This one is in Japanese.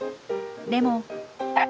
でも。